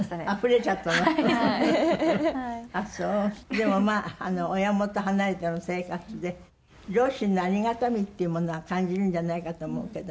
でもまあ親元を離れての生活で両親のありがたみっていうものは感じるんじゃないかと思うけども。